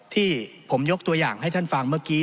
ที่ผมยกตัวอย่างให้ท่านฟังเมื่อกี้